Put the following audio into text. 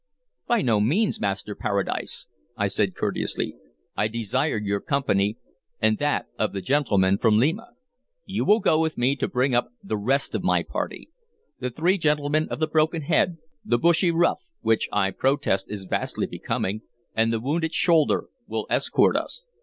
"By no means, Master Paradise," I said courteously. "I desire your company and that of the gentleman from Lima. You will go with me to bring up the rest of my party. The three gentlemen of the broken head, the bushy ruff, which I protest is vastly becoming, and the wounded shoulder will escort us."